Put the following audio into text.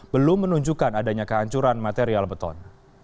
belum menunjukkan adanya kehancuran material beton